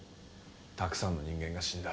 たくさんの人間が死んだ。